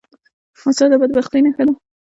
وسله د بدبختۍ نښه ده